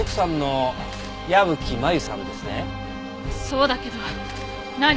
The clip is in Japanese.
そうだけど何？